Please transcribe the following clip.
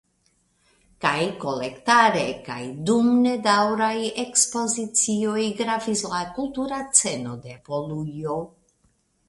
Kaj kolektare kaj dum nedaŭraj ekspozicioj gravis la kultura sceno de Polujo.